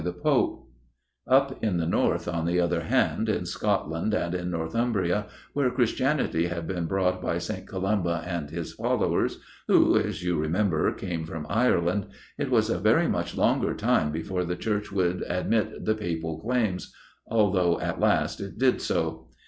Kneller in the National Portrait Gallery, London (Page 38)] Up in the North, on the other hand, in Scotland and in Northumbria, where Christianity had been brought by St. Columba and his followers, who, as you remember, came from Ireland, it was a very much longer time before the Church would admit the Papal claims, though at last it did so.